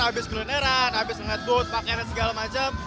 habis kulineran habis ngeliat booth pakenan segala macam